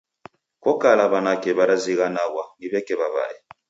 Ko kala w'anake w'arazighanwa ni w'eke w'aw'ae.